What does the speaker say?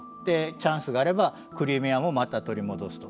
チャンスがあればクリミアもまた取り戻すと。